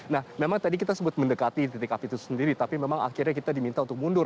nah memang tadi kita sebut mendekati titik api itu sendiri tapi memang akhirnya kita diminta untuk mundur